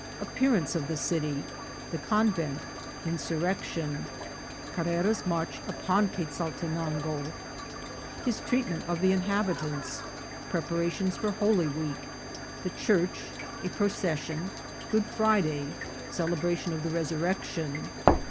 —Appearance of the City. — The Convent. — Insurrection. — Carrera's March upon Quezaltenango. — His Treatment of the Inhabitants. — Preparations for Holy Week.— The Church. — A Procession. — Good Friday.— Celebration of the Resurrection.